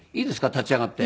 立ち上がって。